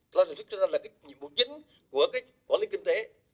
lo vào sản xuất kinh doanh là nhiệm vụ chính của quản lý kinh tế